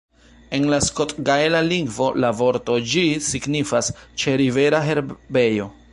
En la skot-gaela lingvo la vorto ĝi signifas "ĉe-rivera herbejo".